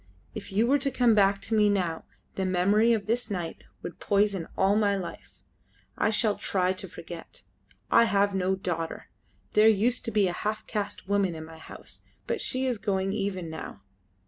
If you were to come back to me now, the memory of this night would poison all my life. I shall try to forget. I have no daughter. There used to be a half caste woman in my house, but she is going even now.